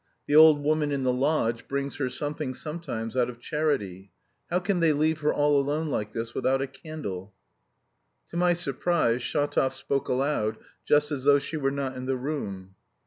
The old woman in the lodge brings her something sometimes out of charity; how can they leave her all alone like this with a candle!" To my surprise Shatov spoke aloud, just as though she were not in the room.